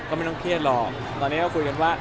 ไม่ต้องพรีอะหรอก